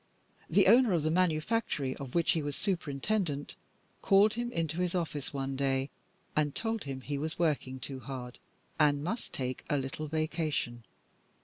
The owner of the manufactory of which he was superintendent, called him into his office one day, and told him he was working too hard, and must take a little vacation.